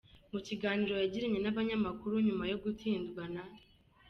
Mu kiganiro yagiranye n’abanyamakuru nyuma yo gutsindwa na